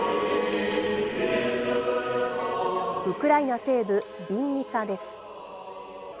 ウクライナ西部ビンニツァです。